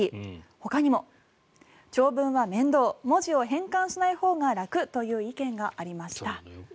ほかにも、長文は面倒文字を変換しないほうが楽という意見がありました。